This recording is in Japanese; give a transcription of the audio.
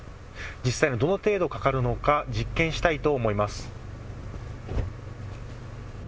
実際にどの程度かかるか実験したいと思います。